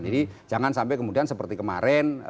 jadi jangan sampai kemudian seperti kemarin